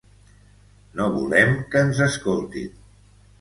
No volem que ens escoltin.